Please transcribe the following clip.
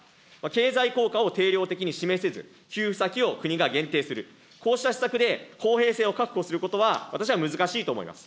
経済効果を的に示せず、給付先を国が限定する、こうした施策で、公平性を確保することは私は難しいと思います。